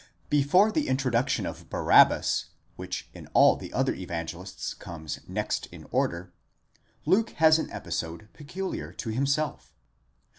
τί ἐστιν ἀλήθεια .7 Before the introduction of Barabbas, which in all the other Evangelists comes next in order, Luke has an episode peculiar to himself.